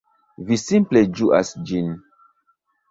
Vi simple ĝuas ĝin.